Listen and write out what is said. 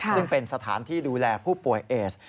ซึ่งเป็นสถานที่ดูแลผู้ป่วยเอส